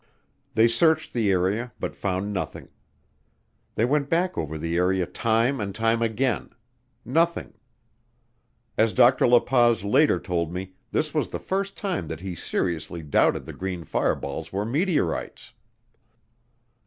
They searched the area but found nothing. They went back over the area time and time again nothing. As Dr. La Paz later told me, this was the first time that he seriously doubted the green fireballs were meteorites.